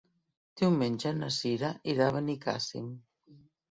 Diumenge na Sira irà a Benicàssim.